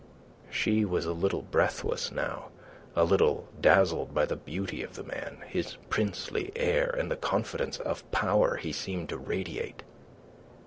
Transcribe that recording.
She was a little breathless now, a little dazzled by the beauty of the man, his princely air, and the confidence of power he seemed to radiate.